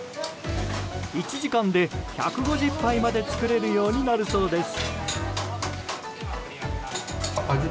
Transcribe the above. １時間で１５０杯まで作れるようになるそうです。